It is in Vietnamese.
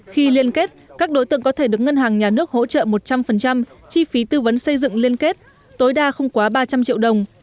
khi liên kết các đối tượng có thể được ngân hàng nhà nước hỗ trợ một trăm linh chi phí tư vấn xây dựng liên kết tối đa không quá ba trăm linh triệu đồng